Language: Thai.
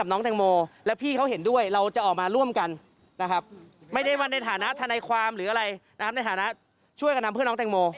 ในฐานะช่วยกับน้ำเพื่อนน้องแต่งโม